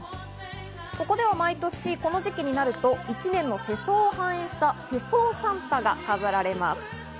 ここでは毎年、この時期になると１年の世相を反映した世相サンタが飾られます。